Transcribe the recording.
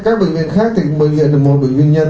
còn các bệnh viện khác thì bệnh viện là một bệnh viện nhân